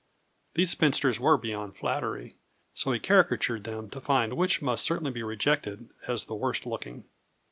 These spinsters were beyond flattery, so he caricatured them to find which must certainly be rejected as the worst looking.